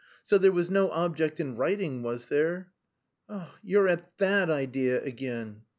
So there was no object in writing, was there?" "You're at that idea again!"